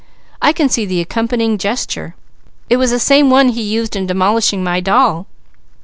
I can see the accompanying gesture. It was the same one he used in demolishing my doll.